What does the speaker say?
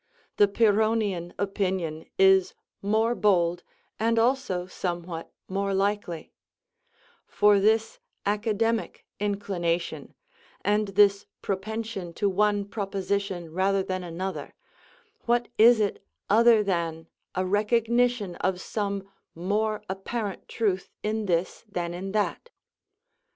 The Pyrrhonian opinion is more bold, and also somewhat more likely; for this academic inclination, and this propension to one proposition rather than another, what is it other than a recognition of some more apparent truth in this than in that?